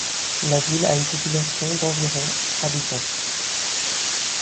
La ville a une population d'environ habitants.